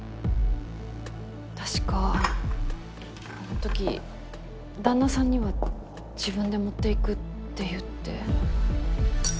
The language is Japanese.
確かあの時旦那さんには自分で持っていくって言って。